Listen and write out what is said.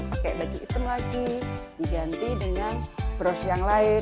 pakai baju hitam lagi diganti dengan bros yang lain